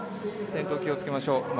転倒、気をつけましょう。